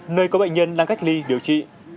nơi có bệnh nhân đang cách ly điều trị